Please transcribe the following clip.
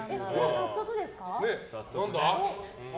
早速ですか？